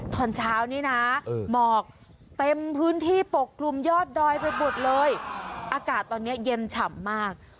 ตอนเช้านี้นะหมอกเต็มพื้นที่ปกกลุ่มยอดดอยไปหมดเลยอากาศตอนนี้เย็นฉ่ำมาก